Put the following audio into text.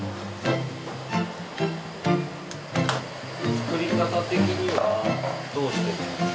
作り方的にはどうしてる？